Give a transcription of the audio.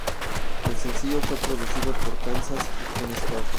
El sencillo fue producido por Kansas y Ken Scott.